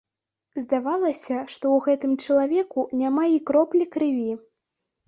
Здавалася, што ў гэтым чалавеку няма і кроплі крыві.